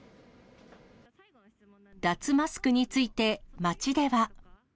脱マスクについて、街では。